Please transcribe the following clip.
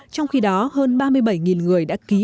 trong khi đó hơn ba mươi bảy người đã ký